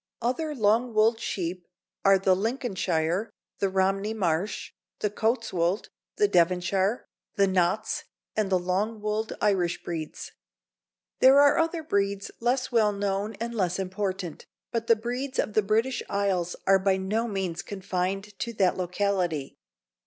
Other long wooled sheep are the Lincolnshire, the Romney Marsh, the Cotswold, the Devonshire, the Notts and the long wooled Irish breeds. There are other breeds less well known and less important, but the breeds of the British isles are by no means confined to that locality.